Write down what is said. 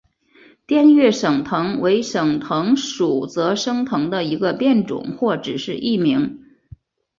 滇越省藤为省藤属泽生藤的一个变种或只是异名。